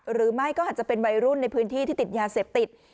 หรือไม่ก็อาจจะเป็นวัยรุ่นในพื้นที่ที่ติดยาเสพติด